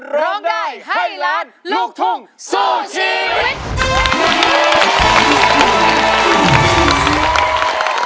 ร้องได้ให้ล้านลูกทุ่งสู้ชีวิต